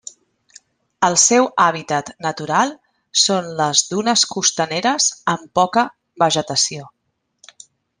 El seu hàbitat natural són les dunes costaneres amb poca vegetació.